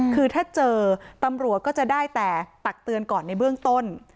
คือถ้าเจอตำรวจก็จะได้แต่ตักเตือนก่อนในเบื้องต้น